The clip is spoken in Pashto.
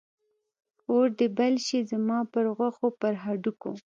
اور دې بل شي زما پر غوښو، پر هډوکو